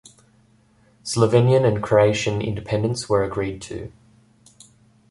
Slovenian and Croatian independence were agreed to.